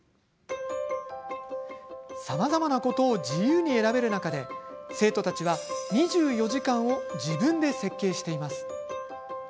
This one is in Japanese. さまざまなことを自由に選べる中で生徒たちは２４時間を自分で設計しています。